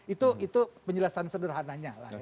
itu penjelasan sederhananya